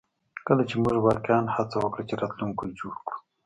کله چې موږ واقعیا هڅه وکړو چې راتلونکی جوړ کړو